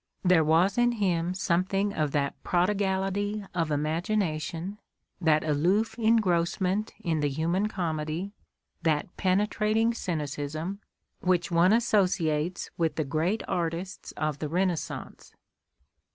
There was in him some thing of that prodigality of imagination, that aloof engrossment in the human comedy, that penetrating cynicism, which one associates with the great artists of the Renaissance."